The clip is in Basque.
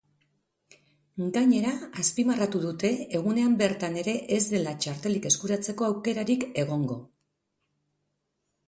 Gainera, azpimarratu dute egunean bertan ere ez dela txartelik eskuratzeko aukerarik egongo.